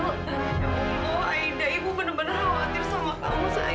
ya allah aida ibu bener bener khawatir sama kamu sayang